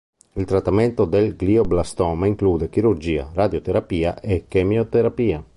Il trattamento del glioblastoma include chirurgia, radioterapia e chemioterapia.